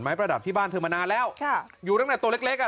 ประดับที่บ้านเธอมานานแล้วค่ะอยู่ตั้งแต่ตัวเล็กเล็กอ่ะ